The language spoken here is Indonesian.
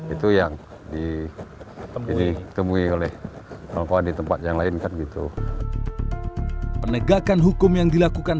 itu yang ditemui oleh perempuan di tempat yang lain kan gitu penegakan hukum yang dilakukan